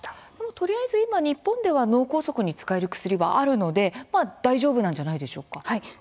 とりあえず日本で脳梗塞に使える薬があるので大丈夫なのではないですか。